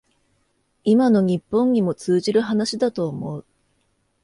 今の日本にも通じる話だと思う